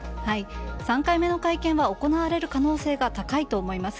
３回目の会見は行われる可能性が高いと思います。